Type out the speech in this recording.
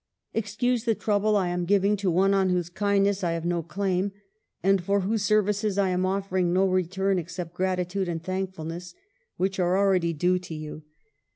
"Excuse the trouble I am giving to one on whose kindness I have no claim, and for whose services I am offering no return except grati tude and thankfulness, which are already due to you.